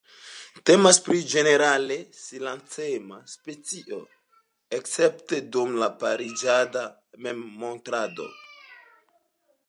Temas pri ĝenerale silentema specio, escepte dum la pariĝada memmontrado.